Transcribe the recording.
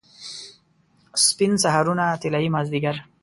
سپین سهارونه، طلايي مازدیګر